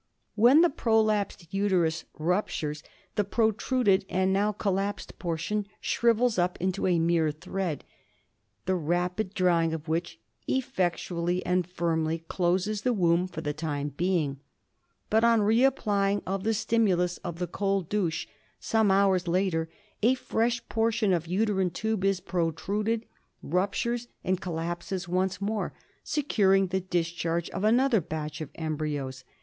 When the prolapsed uterus ruptures, the protruded and now collapsed portion shrivels up into a mere thread, the rapid drying of which effectually and firmly closes the womb for the time being. But on re application of the stimulus of the cold douche some hours later a fresh portion of uterine tube is protruded, ruptures and col lapses, once more securing the discharge of another batch of embryos.